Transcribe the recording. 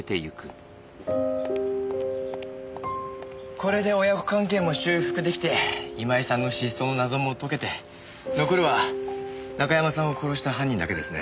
これで親子関係も修復出来て今井さんの失踪の謎もとけて残るは中山さんを殺した犯人だけですね。